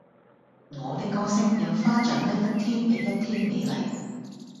我的歌聲讓花長得一天比一天美麗